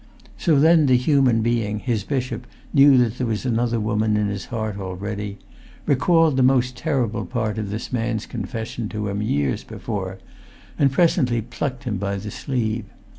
So then the human being, his bishop, knew that there was another woman in his heart already; recalled the most terrible part[Pg 385] of this man's confession to him, years before; and presently plucked him by the sleeve.